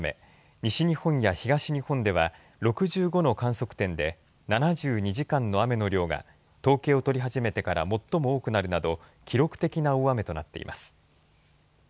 西日本や東日本では６５の観測点で７２時間の雨の量が統計を取り始めてから最も多くなるなど記録的な大雨となっています。